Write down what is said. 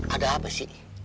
ada apa sih